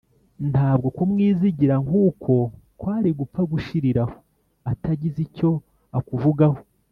ntabwo kumwizigira nk’uko kwari gupfa gushirira aho atagize icyo akuvugaho